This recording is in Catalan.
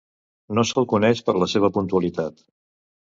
No se'l coneix per la seva puntualitat.